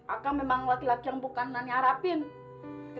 akan memang laki laki yang bukan nanya harapin kecewa nih sama kau